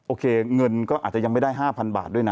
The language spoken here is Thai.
โอเคเงินก็อาจจะยังไม่ได้๕๐๐บาทด้วยนะ